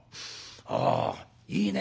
あいいね